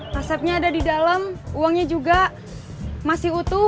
resepnya ada di dalam uangnya juga masih utuh